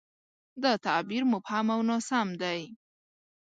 دا تعبیر مبهم او ناسم دی.